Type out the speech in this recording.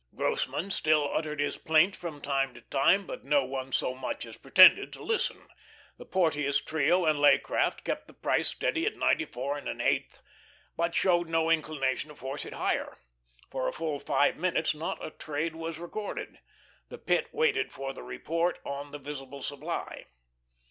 Grossmann still uttered his plaint from time to time, but no one so much as pretended to listen. The Porteous trio and Leaycraft kept the price steady at ninety four and an eighth, but showed no inclination to force it higher. For a full five minutes not a trade was recorded. The Pit waited for the Report on the Visible Supply.